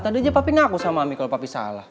tadi aja papi ngaku sama ami kalau papi salah